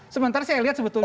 sementara saya lihat sebetulnya